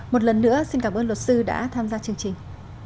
một lần nữa xin cảm ơn luật sư đã tham gia chương trình